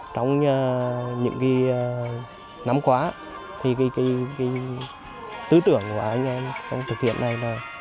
trong những năm qua tư tưởng của anh em trong thực hiện này là